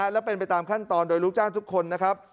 และเป็นไปตามขั้นตอนโดยลูกจ้างทุกคนนะครับ